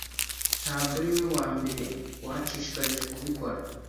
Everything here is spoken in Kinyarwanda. Ntabwo ari we wambere wanshishikarije kubikora.